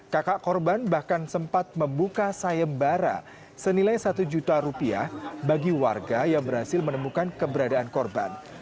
kakak korban bahkan sempat membuka sayembara senilai satu juta rupiah bagi warga yang berhasil menemukan keberadaan korban